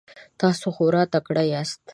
تاسو خورا تکړه یاست.